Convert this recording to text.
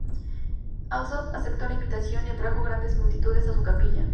Alsop aceptó la invitación y atrajo grandes multitudes a su capilla.